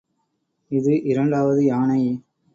இது இரண்டாவது யானை.